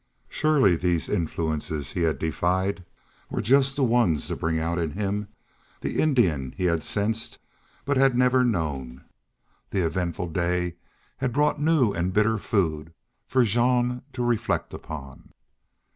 Surely these influences he had defied were just the ones to bring out in him the Indian he had sensed but had never known. The eventful day had brought new and bitter food for Jean to reflect upon.